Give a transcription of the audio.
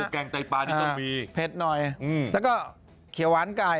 แกงไตปลานี่ต้องมีเผ็ดหน่อยแล้วก็เขียวหวานไก่